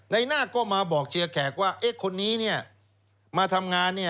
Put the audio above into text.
นาคก็มาบอกเชียร์แขกว่าคนนี้มาทำงาน